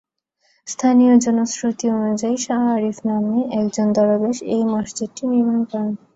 স্থানীয় জনশ্রুতি অনুযায়ী শাহ আরিফ নামে একজন দরবেশ এ মসজিদটি নির্মাণ করেন।